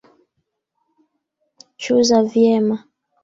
Chuza vyema